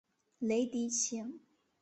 雷迪奇。